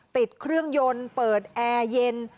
ติดเครื่องยนต์เปิดแอร์เย็น